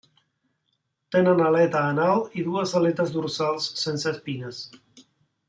Tenen aleta anal i dues aletes dorsals sense espines.